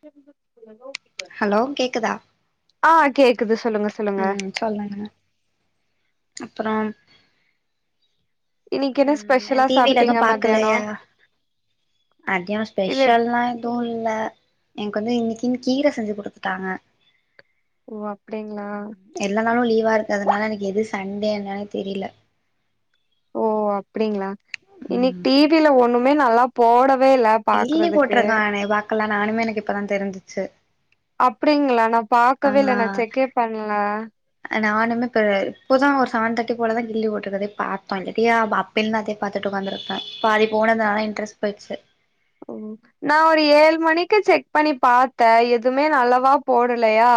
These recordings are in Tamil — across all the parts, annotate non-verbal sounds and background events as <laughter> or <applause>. செரிங்கோ ஹலோ கேக்குதா ஆ கேக்குது சொல்லுங்க சொல்லுங்க அப்புற இன்னிக்கு என்ன ஸ்பெஷலா சாப்ட்டீங்க மத்தியான அதியோ பெஷல் லா தோன்ல எனக்கு வந்து இன்னைக்குனு கீர செஞ்சு குடுத்துட்டாங்க ஓ அப்டிங்களா ம் எல்லா நாளு லீவா இருக்குரனால எனக்கு எது செ சண்டே என்னானே தெரில ஓ அப்டிங்களா இன்னைக் டிவில ஒண்ணும் மே நல்லா போட இல்லி போட்டிருக்கன் பார்கக்கலாம் நானுமே எனக்கு இப்பதான் தெரிஞ்சச்சு அப்டிங்களா நா பாக்கவே இல்ல நான் செக்கே பண்ல <unintelligible> இப்ப தான் ஒரு செவன் தேர்ட்டி போலதான் கில்லி போட்டுக்கறே பாத்தோம் இல்லாையா அப்பின்னுான் அதே பாத்துட்டு உட்காந்துத்து இருப்பேன் பாதி போனதுனால இன்ட்ரெஸ்ட் போயிடுச்சு ஓ நான் ஒரு ஏழு மணிக்கு செக் பண்ணி பாத்தேன் எதுவுமே நல்லவா போடலையா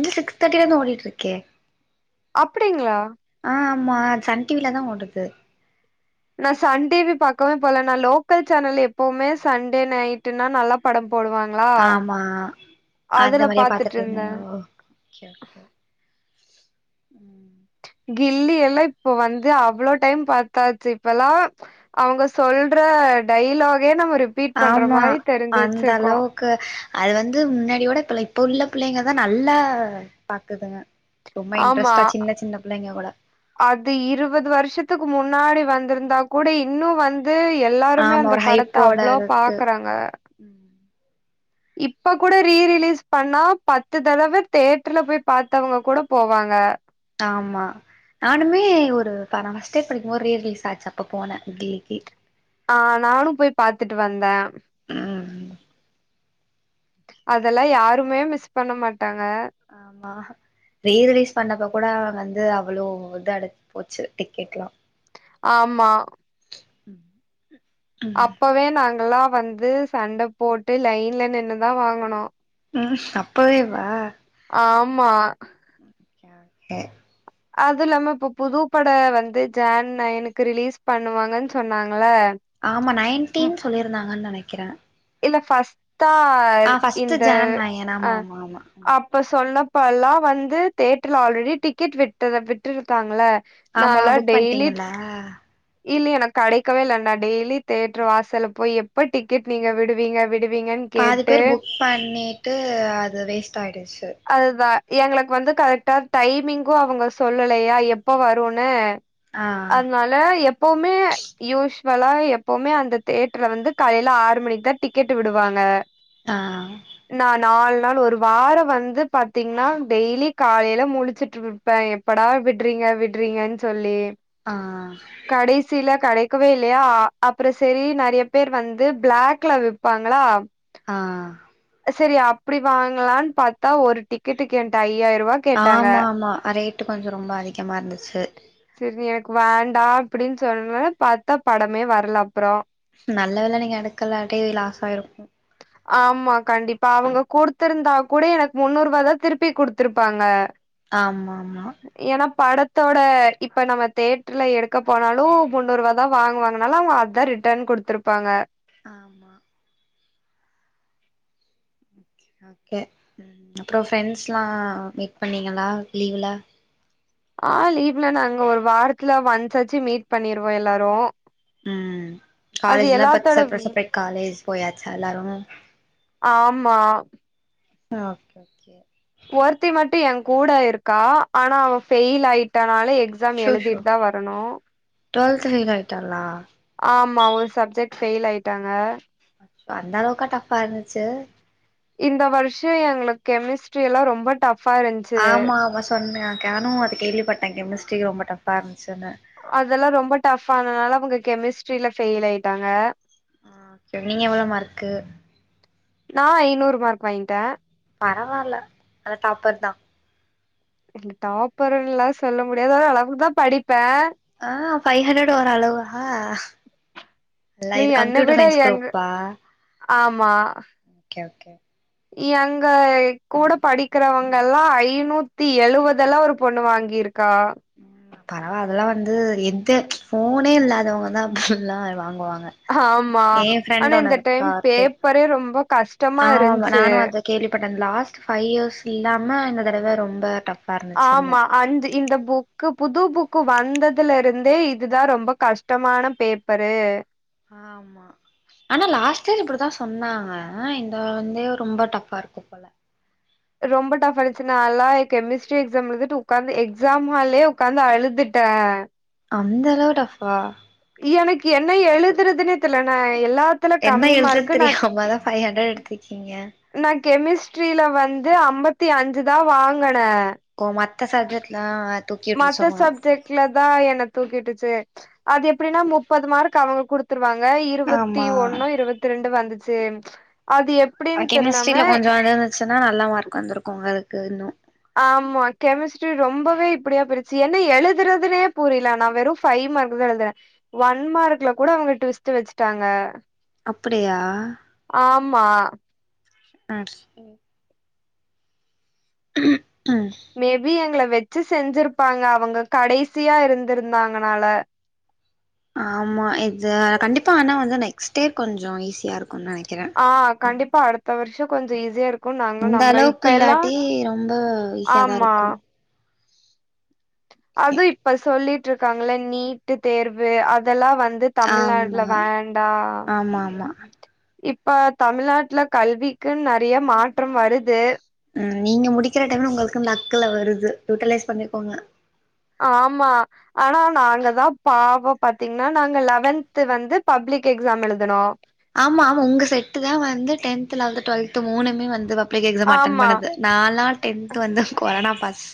இ சிக்ஸ் தேட்டில இருந்து ஓடிட்டு இருக்கே அப்டிங்களா ஆ ஆமா சன் டிவில தான் ஓடுது நான் சன்டிவி பாக்கவே போல நான் லோக்கல் சேனல் எப்பவுமே சண்டே நைட்டுனா நல்ல படம் போடுவாங்களா ஆமா அந்த அதுல மாரியா பாத்துட்டு இருந்த இருந்திங்க லோ கில்லி எல்லாம் இப்போ வந்து அவ்ளோ டைம் பாத்தாச்சு இப்பல்லாம் அவுங்க சொல்ற டைலாகே நம்ம ரிப்பீட் பண்ற ஆமா மாரி தெரிஞ்சு அந்த வச்சிருக்கோ அளவுக்கு அது வந்து முன்னாடியோட இப்ப இப்ப உள்ள பிள்ளைங்க தான் நல்லா பாக்குதுங்க ரொம்ப ஆமா இன்ட்ரெஸ்ட்டா சின்ன சின்ன பிள்ளைங்க கூட அது இருவது வருஷத்துக்கு முன் முன்னாடி வந்திருந்தா கூட இன்னும் வந்து ந்து எல்லாருமே ஆமா அந்த ஒரு படத்த ஹைப்போட அவ்ளோ இருக்கு பாக்குறாங்க இப்ப கூட ரீரிலீஸ் பண்ணா பத்து தடவ தேட்டர்ல போய் பாத்தவங்க கூட போவாங்க ஆமா நானுமே ஒரு நான்ஸ்டே படிக்கும்போது ரரிய ரிலீஸ் ஆச்சு அப்ப போனேன் ஆ நானும் போய் பாத்துட்டு வந்தேன் ம் அதெல்லாம் யாருமே மிஸ் பண்ண மாட்டாங்க ஆமா ரீ ரிலீஸ் பண்ணப்ப கூட வந்து அவ்வளவு இது அட போச்சு டிக்கெட் எல்லாம் ஆமா ம் அப்பவே நாங்கல்லாம் வந்து சண்ட போட்டு லைன்ல நின்னுதான் வாங்கனும் ம் சப் அப்பவே வா ஆமா ஓகே அதுல்லாம இப்ப புது பட வந்து ஜன் நைனுக்கு ரிலீஸ் பண்ணுவாங்கன்னு சொன்னாங்கள ஆமா நைன்டீன் சொல்லியிருந்தாங்கன்னு நினை க்கிறேன் இல்ல பஸ்ட் தார் ஃபஸ்ட்டு இந்த ஜான் நயன் அ ஆமா ஆமா ஆமா அப் இப்ப எல்லாம் வந்து தேட்டர்ல ஆல்ரெடி டிக்கெட் விட்டுத் ஆமா புக் பண்ணிட்டீங்ளா இல்லையே எனா கடைக்கவேல்லைண்ணா டெய்லி தேட்றோம் வாசல போய் விடுவீங்க விடுவீங்கன்னு பாதி கேட்டு பேர் புக் பண்ணிட்டு அது வேஸ்ட் ஆயிடுச்சு அதுதான் எங்களுக்கு வந்து கரெக்டா டைமிங்கும் அவங்க சொல்லலையா எப்போ வரும்ன்னு ஆ அதனால எப்பவுமே யூஷ் இப்பலா எப்பவுமே அந்த தியட்டர்ல வந்து காலையில ஆறு மணிக்கு தா டிக்கெட் விடுவாங்க ஆ நா நாலு நாள் ஒரு வாரம் வந்து பார்த்தீங்கன்னா டெய்லி காலில முழச்சுட்டு விப்பேன் எப்படா விட்றீங்க விட்றீங்கன்னு சொல்லி ஆ கடைக்கவே இல்லையா அப்புறம் சரி நிறைய பேர் வந்து பிளாக்ல விப்பாங்களா ஆ சரி அப்படி வாங்கலான்னு பாத் தா ஒரு டிக்கெட்டுகு என்ட்ட ஐயாயிரம் ரூபா கேட்டாங்க ஆமா ஆமா ரேட்டு கொஞ்சோ ரொம்ப அதிகமா இருந்துச்சு சரி எனக்கு வேண்டா அப்படின்னு சொல்வேன் பார்த்தா படமே வரலம் நல்ல வேல நீங்க எடுக்கல்லாட்டி லாஸ் அய்ருக்கும் கொடுத்திருந்தா கூட எனக்கு முன்னூறு ரூபா தா திருப்பி குடுத்தருப்பாங்க ஆமா ஆமா த்தோட இப்ப நம்ம தேட்டர்ல எடு க்க போனாலும் முன்னூறு ரூவா தா வாங்குவாங்கனால அவங்க அத ரிட்டன் கொடுத்தருப்பாங்க ஆமா ஓகே அப்புறம் ஃரெண்ட்ஸ் எல்லா மீட் பண்ணீங்களா லீவ்ல ஆ லீவு நாங்க ஒரு வாரத்துல ஒன்ஸ்ஆச்சு மீட் பண்ணிருவோம் எல்லாரும் ம் அது காலேஜ் எல்லா எல்லாத்தோட சப்ரேட் காலேஜ் போயாச்சு எல்லாரும் பா ஓகே ஓகே ஒருத்தி மட்டும் யே கூட இருக்கா ஆனா அவ ஃபயில் ஆயிட் எக்ஸாம் ஷோ ஷோ ஏழுதிட் தா வரணும் டுவெல்த் ஃபெயில் ஆயிட்டாளா ஆம் மா ஒரு சப்ஜெக்ட் பெஃயில் ஆயிட்டாங்க அந்த அளவுக்கா டஃப்பா இருந்துச்சு இந்த வருஷம் எங்களுக்கு கெமிஸ்ட்ரி எல்லாம் ரொம்ப டஃப் ஆமா அவ சொன்னா நானும் அத கேள்விப்பட்டேன் கெமிஸ்டரி ரொம்ப டஃப் பார்ன் அதெல்லாம் ரொம்ப டஃப்னால அவங்க கெமிஸ்ட்ரியில பெயில் ஆயிட்டாங்க ஆ நீங்க எவ்வளோ மார்க்கு நான் ஐந்நூறு மார்க் வாங்கிட்டேன் பரவாயில்ல ஆன டாப்பர் தான் இல்ல டாப்பர் எல்லாம் சொல்ல முடியது ஓரளவுக்குதான் படிப்பேன் ஆ ஃபைவ் ஹண்ட்ரட் ஓரளவா இல்ல நீ இது என்ன கம்ப்யூட்டர் விட சயின்ஸ் யங் குரூப்பா ஆமா ஓகே ஓகே எங்க கூட படிக்கிறவங்க எல்லாம் ஐநூத்தி எழுவது எல்லாம் ஒரு பொண்ணு வாங்கியிருக் பரவா அதெல்லாம் வந்து எந்த போனே இல்லாதவங்க தான் அப்பெல்லாம் வாங்க முடியு வாங்க ஆமா ஏன் ஆனா ஃப்ரண்ட் இந்த ஒன்னுருக்கா டைம் ஆர்த்தி பேப்பரே ரொம்ப கஷ்டமா ஆவ் இருந்துச்சு நானும் அதான் கேள்விப்பட்டேன் லாஸ்ட் ஃபைவ் இயர்ஸ் இல்லாம இந் தடவை ரொம்ப டஃப் ஆமா அந் இந்த புக் க்கு புது புக்கு வந்ததுல இருந்தே இதுதான் ரொம்ப கஷ்டமான பேப்பரு ஆம்மா ஆனா லாஸ்ட்டே இப்புடித்தான் சொன்னாங்க இந்த வந்தே ரொம்ப டஃப்பா இருக்கு போல ரொம்ப டஃப் ஆயிடிச்சுனா நல்லா கெமிஸ்ட்ரி எக்ஸாம் முடிஞ்சுட்டு உக்காந்து எக்ஸாம் ஹால்லயே உக்காந்து அழுதுட்டேன் அந்த அளவு டஃபா எனக்கு என்ன எழுதுறதுன்னே தெர்ல என்னை என்ன எழுதரத்து தெரியாமா தான் ஃபைவ் ஹண்ட்ரட் எடுத்திருக்கீங்க கெமிஸ்ட்ரியில வந்து ஐம்பத்தி அஞ்சு தான் வாங்கன் ஏ இந்த சப்ஜட்ல அத் மத்த சப்ஜெக்ட்ல தா என்ன தூக்கி உட்டுச்சே அது எப்டின்னா முப்பது மார்க் அவுங்க குடுத்து வாங்க இருவத்தி ஆமா ஒன்னு இருவத்தி ரெண்டு வந்துது சேம் அ கெமிஸ்ட்ரியில கொஞ்சோ வந்துர்ந்துச்சுனா நல்லா மார்க் வந்துருக்கும்ங்க கர்ணு ஆம்மா கெமிஸ்ட்ரி ரொம்பவே இப்டியாப்புரிச்சு என்ன எழுதுறதுனே புரியல நா வெறு ஃபைவ் மார்க் தா எழுதுனேன் ஒன் மார்க்ல கூட அவங்க டுஸ்ட்டு வச்சுட்டாங்க அப்படியா ஆமா ஆச்சுலி ம் மேபி எங்ள வெச்சு செஞ்சிருப்பாங்க அவங்க கடைசியா இருந்திருந்தாங்கனால ஆமா இத கண்டிப்பா ஆனா வந்து நெக்ஸ்ட் இயர் கொஞ்சோ ஈஸியா இருக் ஒ நெனக்கிற பா அடுத்த வர்ஷ கொஞ்ச ஈஸ்யா இருக் இந்த அளவுக்கு இல்லாட்டி ரொம்ப ஈஸியாதா ஆமா இருக்கு அது இப்ப சொல்லிட் ட்ருக்காங்கள நீட்டு தேர்வு அதலா வந் ந்து தமிழ்நாட்ல ஆமா வேண்டா ஆமா ஆமா இப்ப தமிழ்நாட்ல கல்விக்குன் நறய மாற்றம் வருது அ ம் நீங்க முடிக்கிற டைம்ல உங்களுக்கு லக்குல வருது யூட்டிலஸ் பண்ணிக்கோங்க ஆமா ஆனா நாங்கதா பாவம் பாத்தீங்கன்னா நாங்க லவென்த் வந்து பப்ளிக் எக்ஸாம் எழுதுனோ ஆமா ஆமா உங்க செட்டு தா வந்து டென்த்து லவெல்த்து டுவெல்த்து மூணுமே வந்து வப் பெரிய எக்ஸாம் அட்டென் ஆமா பண்ணது நால் நாள் டென்த்து வந்து கொரோனா பாஸ்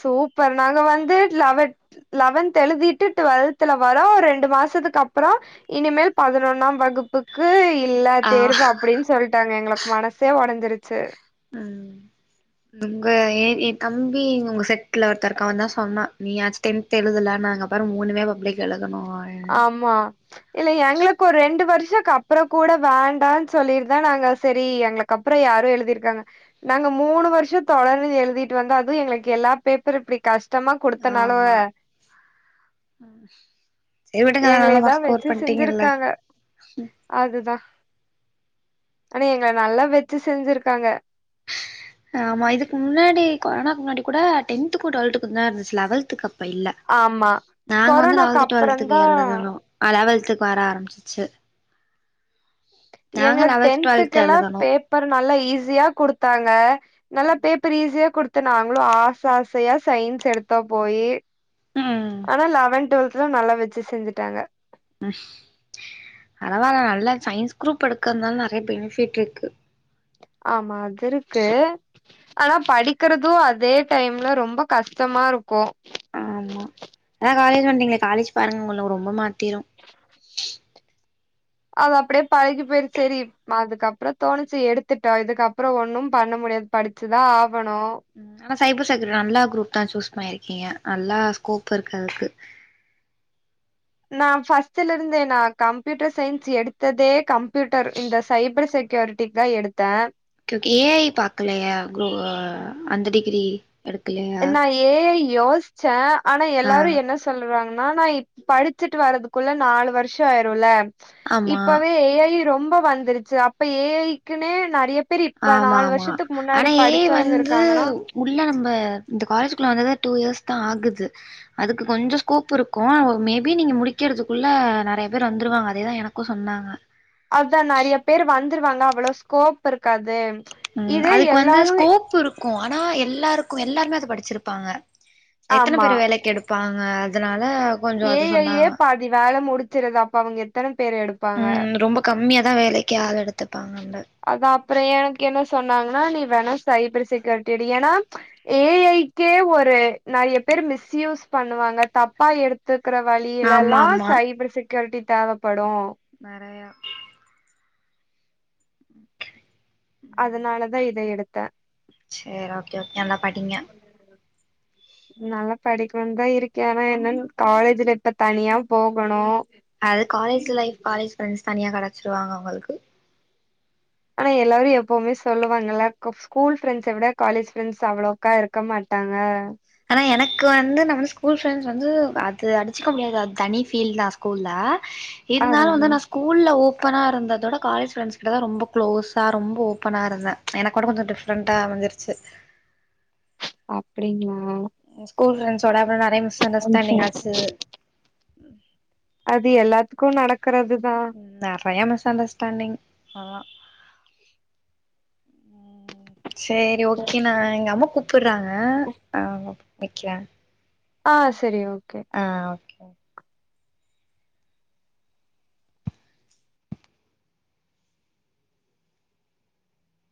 சூப்பர் நாங்க வந்து லெவன்த் லெவன்த் எழுதிட்டு டுவெல்த்துல வரோ ரெண்டு மாசத்துக்கு அப்புறோ இனிமேல் பதினொன்னாம் வகுப்புக்கு இல்ல ஆ தேர்வு அப்டின்னு சொல்டாங்க எங்களுக்கு மனசே ஒடஞ்சிருச் சேர் உம் உங்க ஏ ஏ தம்பி உங்க செட்ல ஒருத்த இருக்கா வந்தா சொன்னா நீயாச்சி டென்த் எழுதல நாங்க பாரு மூணுமே பப்ளிக் எழு ஆமா இல்ல எங்ளுக்கு ரெண்டு வருஷ் ச அப்ற கூட வேண்டான் சொல்லிரு தா நாங்க செரி எங்ளுக்கு அப்ற யாரோ எழுதிருக்காங்க நாங்க மூணு வருஷ தொடர்ந்து எழுதிட்டு வந்தா அதுவு எங்ளுக்கு எல்லா பேப்பரு இப்டி கஷ்ட் டமா குடுத்தனால ஆமா சரி விடுங்க எங்ளே நல்ல தா மார்க் ஸ்கோர் வெச்சு பண்ட்டீங்கல்ல செஞ்சிருக்காங்க அதுதா ஆனா எங்கள நல்லா வெச்சி செஞ்சிருக்காங்க கொரோனா முன்னாடி கூட டென்த்கு ட்வெல்துக்கு தா இருந்துச்சு லவல்துக் ப்ப இல்ல ஆமா நாங்க வந்து கொரோனாக்கு லவல்த் டுவல்த்துக்கு அப்புறந்தா எழுதனு அ லவல்து வர ஆரம்ச்சிச்சு எங்களுக் டென்துக்குலாம் எழுதனோம். பேப்பர் நல்லா ஈஸியா குடுத்தாங்க நல்லா பேப்பர் ஈஸியாக் குடுத்து நாங்களும் ஆச ஆசையா சயின்ஸ் எடுத்தோ போயி ம். லவன் டுவல்த் து நல்லா வெச்சு செஞ்சுட்டாங்க பரவால நல்ல சயின்ஸ் குரூப் எடுக்கறதுநால நறைய பெனிஃபிட் இருக்கு. ஆமா அது இருக்கு ஆனா படிக்கறதும் அதே டைம்ல ரொம்ப கஷ்டமா இருக்கோ ஆமா அதான் காலேஜ் வந்திங்களே காலேஜ் பாருங்க உங்கள ரொம்ப மாத்திரு அது அப்பிடியே பழகி போயிருச்சு தெரியு அதுக்கப்பறம் தோணிச்சு எடுத்துட்டடா இதுக்கப்பறம் ஒண்ணும் பண்ண முடியாது படிச்சுதான் ஆவ் கணும் ம். ஆனா சைபர் செக்யூரிட்டி நல்லா குரூப் தான் சூஸ் பண்ணிருக்கீங்க நல்லா ஸ்கோப் இருக்கு அதுக்கு நா ஃபர்ஸ்ட்ல இருந்தே நா கம்புயூட்டர் சயின்ஸ் எடுத்ததே கம்புயூட்டர் இந்த சைபர் செக்யூரிட்டி தா எடுத்த ஓகே, ஏஐ பாக்கலையா <unintelligible> அந்த டிகிரி எடுக்கலையா? நா ஏஐ யோசிச்ச ஆனா ஆ. எல்லாரு என்ன சொல்றாங்க நானா இப் படிச்சுட்டு வர்றதுக்குள்ள நாலு வருஷோ ஆயிரோல்ல ஆமா. இப்பவே ஏஐ ரொம் இப்ப வந்துருச்சு அப்ப ஏஐக்குன்னே நறைய ஆமா ஆமா ஆனா ஏஐ வந்து இருக்காங்கன்னா உள்ள நம்ப இந்த காலேஜ்குள்ள வந்தது டூ இயர்ஸ் தா ஆகுது அதுக்கு கொஞ்சோ ஸ்கோப் இருக்கோ மேபி நீங்க முடிக்கிறதுக்குள்ள நறைய பேர் வந்துருவாங்க அதே தா எனக்கு சொன்னாங்க அதா நெறைய பேர் வந்துருவாங்க அவ்ளோ ஸ்கோப் இருக்காது ம் இதே அதுக்கு வந்து எல்லாரு ஸ்கோப் இருக் கு ஆனா எல்லாருக்கு எல்லாருமே அத படிச்சிருப்பாங்க எத்தன பேர வேலைக்கி எடுப்பாங்க அதனால் ஏ ஐ ஏ பாதி வேல முடிச் சிருது அப்ப அவுங்க எத்தன பேர் எடுப்பாங்க ம் ரொம்ப கம்மியா தா வேலைக்கி ஆள் எடு அதா அப்பற எனக் கு என்ன சொன்னாங்கன்னா நீ வேணா சைபர் செக்யூரிட்டி எடு ஏனா ஏ ஐ க்கே ஒரு நெறைய பேர் மிஸ்யூஸ் பண்ணுவாங்க தப்பா எடுத்து க்கற வழியில ஆமா எல்லா ஆமா சைபர் செக் யூரிட்டி தேவப்படு நெறையா த சேர் ஓகே ஓகே நல்லா படிங்க நல்லா படிக்கணுன் தா இருக்கே ஆனா என்னன் காலேஜ்ல இப்ப தனியா போகணு அது காலேஜ் லைஃப் காலேஜ் ஃப்ரெண்ட்ஸ் தனியா கெட ச்சிருவாங்க உங்களுக்கு ஆனா எல்லாரு எப்பவுமே சொல்லுவாங்கல்ல கு ஸ்கூல் ஃப்ரெண்ட்ஸ விட காலேஜ் ஃப்ரெண்ட்ஸ் அவ்ளோக்கா இருக்க மாட்டாங்க ஆனா எனக்கு வந்து நம்ம ஸ்கூல் ஃப்ரெண்ட்ஸ் வந்து அது அடிச்சக்க முடியாது அது தனி ஃபீல் தா ஸ்கூல்ல இருந்தாலு வந்து அதுதா நா ஸ்கூல்ல ஓப் பனா இருந்ததோட காலேஜ் ஃப்ரெண்ட்ஸ் கிட்ட தா ரொம்ப க்ளோஸா ரொம்ப ஓப்பனா இருந்த எனக்கோட கொஞ்சோ டிஃப்ரெண்ட்டா அமஞ்சிருச்சு அப்பிடிங்ளா ஸ்கூல் ஃப்ரெண்ட்ஸோட நெறைய மிஸ் அண்டர்ஸ்டாண்டிங் ஆச்சு அது எல்லாத்துக்கு நடக் ம் நெறையா மிஸ் அண்டர்ஸ்டாண்டிங் ஆமா செரி ஓகே நா எங்க அம்மா கூப் படுறாங்க ஆமா <unintelligible> ஆ செரி ஓ ஆ ஓகே